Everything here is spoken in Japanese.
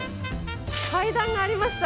階段がありました。